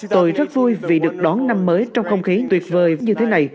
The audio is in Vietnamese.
tôi rất vui vì được đón năm mới trong công viên văn hóa ấn tượng hội an